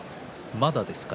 まだですか？